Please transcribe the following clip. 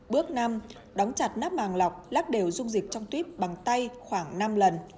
bước năm đóng chặt nắp màng lọc lắc đều dung dịch trong tuyếp bằng tay khoảng năm lần